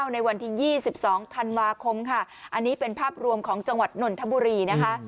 ในวันที่๒๒ธันวาคมค่ะอันนี้เป็นภาพรวมของจังหวัดนนทบุรีนะคะ